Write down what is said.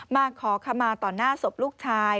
มาขอขมาต่อหน้าศพลูกชาย